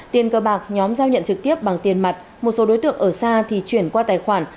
tiền cờ bạc nhóm giao nhận trực tiếp bằng tiền mặt một số đối tượng ở xa thì chuyển qua tài khoản